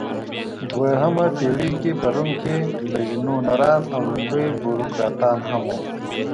دویمه پېړۍ کې په روم کې لژنونران او لومړۍ بوروکراتان هم وو.